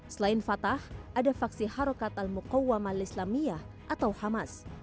selain fatah ada faksi harakat al muqawwama al islamiyah atau hamas